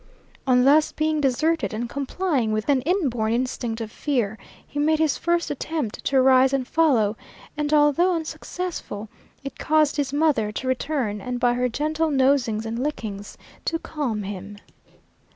On thus being deserted, and complying with an inborn instinct of fear, he made his first attempt to rise and follow, and although unsuccessful it caused his mother to return and by her gentle nosings and lickings to calm him.